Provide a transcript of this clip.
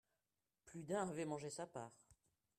Plus d'un avait mangé sa part.